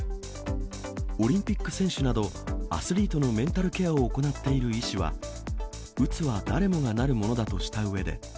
オリンピック選手など、アスリートのメンタルケアを行っている医師は、うつは誰もがなるものだとしたうえで。